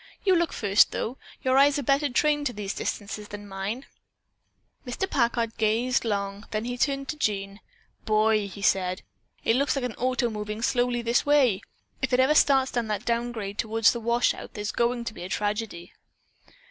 You look first, though. Your eyes are better trained to these distances than mine." Mr. Packard gazed long, then he turned to Jean. "Boy," he said, "it looks like an auto moving slowly this way. If it ever starts on that down grade toward the washout there is going to be a tragedy."